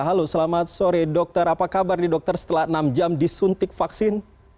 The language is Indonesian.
halo selamat sore dokter apa kabar nih dokter setelah enam jam disuntik vaksin